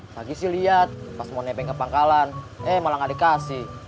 lagi sih lihat pas mau nebeng ke pangkalan eh malah gak dikasih